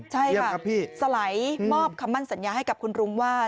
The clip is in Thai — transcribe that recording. ใช่ค่ะสไหลมอบคำมั่นสัญญาให้กับคุณรุ้งว่า